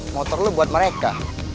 motor lu buat mereka